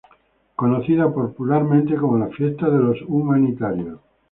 Conocida popularmente como la "Fiesta de los Humanitarios".